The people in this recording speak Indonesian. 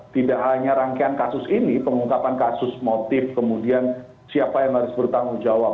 tidak hanya rangkaian kasus ini pengungkapan kasus motif kemudian siapa yang harus bertanggung jawab